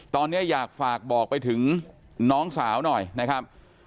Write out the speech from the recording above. ตอนนี้อยากฝากบอกไปถึงน้องสาวหน่อยนะครับ